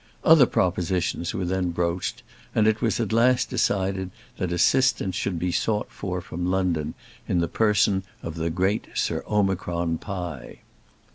Other propositions were then broached, and it was at last decided that assistance should be sought for from London, in the person of the great Sir Omicron Pie.